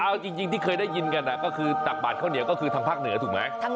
เอาจริงที่เคยได้ยินกันก็คือตักบาดข้าวเหนียวก็คือทางภาคเหนือถูกไหม